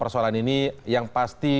persoalan ini yang pasti